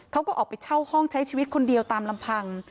เขาก็ออกไปเช่าห้องใช้ชีวิตคนเดียวตามลำพัง